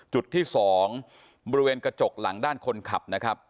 จุดที่๒บริเวณกระจกหลังด้านคนขับนะครับ